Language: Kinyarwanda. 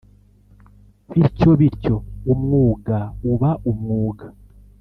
bityo bityo… umwuga uba umwuga